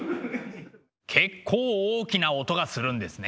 結構大きな音がするんですね。